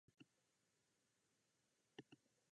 たちつてと